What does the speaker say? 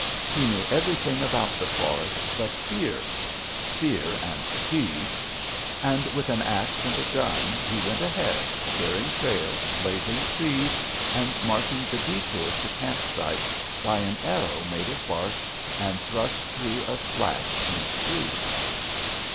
He knew everything about the forest but fear fear and fatigue. And, with an axe and a gun, he went ahead, clearing trail, blazing trees, and marking the détours to camp sites by an arrow made of bark and thrust through a slash in a tree.